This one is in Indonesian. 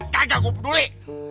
kagak gue peduli